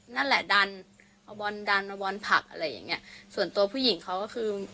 นั่นแหละดันเอาบอลดันเอาบอลผักอะไรอย่างเงี้ยส่วนตัวผู้หญิงเขาก็คือ